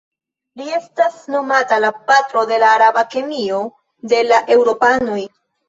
Li estis nomata la "patro de la araba kemio" de la eŭropanoj.